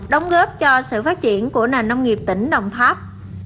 đóng góp cho sự phát triển của nền nông nghiệp tỉnh đồng tháp